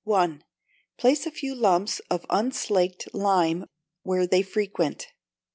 i. Place a few lumps of unslaked lime where they frequent.